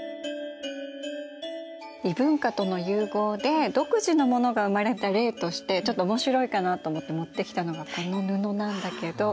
異文化との融合で独自のものが生まれた例としてちょっと面白いかなと思って持ってきたのがこの布なんだけど。